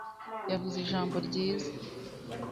Yavuze ijambo ryiza